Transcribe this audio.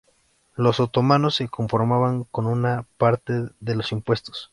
Los otomanos se conformaban con una parte de los impuestos.